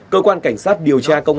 cơ quan cảnh sát điều tra công an